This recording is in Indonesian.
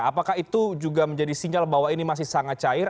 apakah itu juga menjadi sinyal bahwa ini masih sangat cair